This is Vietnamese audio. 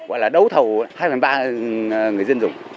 gọi là đấu thầu hai phần ba người dân dùng